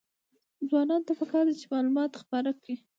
ځوانانو ته پکار ده چې، معلومات خپاره کړي.